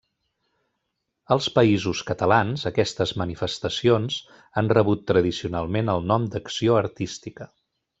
Als Països Catalans aquestes manifestacions han rebut tradicionalment el nom d'acció artística.